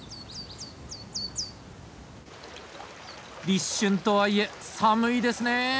立春とはいえ寒いですね。